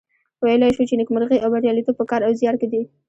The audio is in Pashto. ویلای شو چې نیکمرغي او بریالیتوب په کار او زیار کې دي.